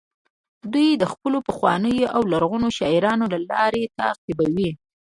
دوی د خپلو پخوانیو او لرغونو شاعرانو لاره تعقیبوي